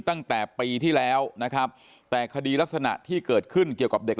ตั้งแต่ปีที่แล้วนะครับแต่คดีลักษณะที่เกิดขึ้นเกี่ยวกับเด็ก